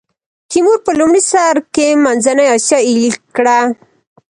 تیمور په لومړي سر کې منځنۍ اسیا ایل کړه.